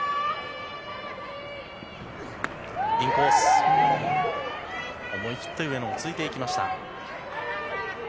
インコース、思い切って上野がついていきました。